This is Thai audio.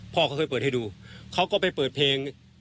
พ่อเขาเคยเปิดให้ดูเขาก็ไปเปิดเพลง